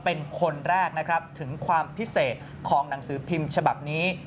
เป็นคนแรกนะครับถึงความพิเศษของหนังสือพิมพ์ฉบับนี้